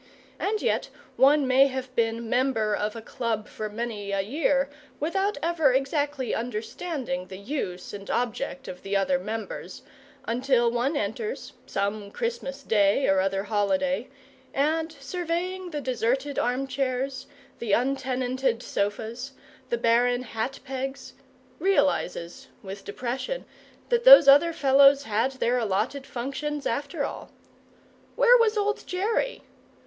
And yet one may have been member of a Club for many a year without ever exactly understanding the use and object of the other members, until one enters, some Christmas day or other holiday, and, surveying the deserted armchairs, the untenanted sofas, the barren hat pegs, realizes, with depression, that those other fellows had their allotted functions, after all. Where was old Jerry?